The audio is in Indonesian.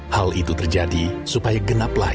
hal itu terjadi supaya genaplah